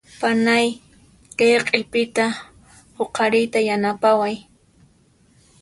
Panay kay q'ipita huqariyta yanapaway.